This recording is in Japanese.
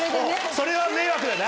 それは迷惑だな。